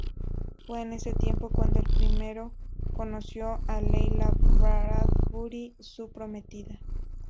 Fue en ese tiempo cuando el primero conoció a Leila Bradbury, su prometida.